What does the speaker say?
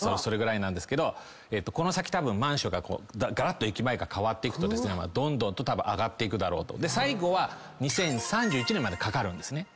この先たぶんマンションががらっと駅前が変わっていくとどんどんと上がっていくだろうと最後は２０３１年までかかるんですね。